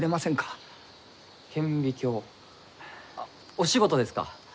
あっお仕事ですか？